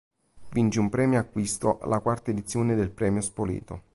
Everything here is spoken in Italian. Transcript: Vince un "premio acquisto" alla quarta edizione del Premio Spoleto.